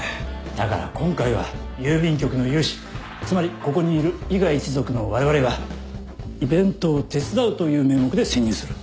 だから今回は郵便局の有志つまりここにいる伊賀一族のわれわれがイベントを手伝うという名目で潜入する。